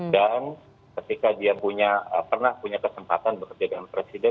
dan ketika dia punya pernah punya kesempatan berkerja dengan presiden